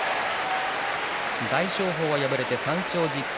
大翔鵬、敗れて３勝１０敗